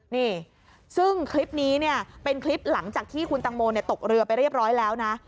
นี่ซึ่งคลิปนี้เนี่ยเป็นคลิปหลังจากที่คุณตังโมตกเรือไปเรียบร้อยแล้วนะ